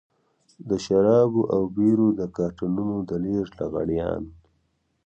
د شرابو او بيرو د کارټنونو د لېږد لغړيان.